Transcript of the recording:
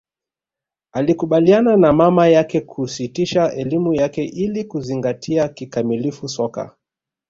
alikubaliana na mama yake kusitisha elimu yake ili kuzingatia kikamilifu soka